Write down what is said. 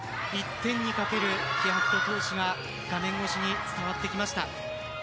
１点にかける気迫と闘志が画面越しに伝わってきました。